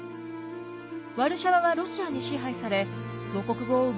ワルシャワはロシアに支配され母国語を奪われたのです。